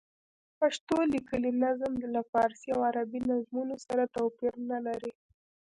پښتو لیکلی نظم له فارسي او عربي نظمونو سره توپیر نه لري.